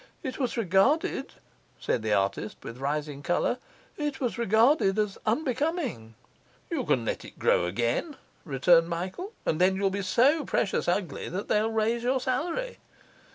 It was regarded,' said the artist, with rising colour, 'it was regarded as unbecoming.' 'You can let it grow again,' returned Michael, 'and then you'll be so precious ugly that they'll raise your salary.